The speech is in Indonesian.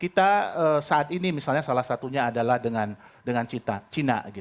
kita saat ini misalnya salah satunya adalah dengan cina